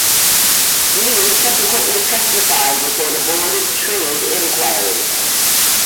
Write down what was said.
Lee subsequently testified before the Board of Trade inquiry.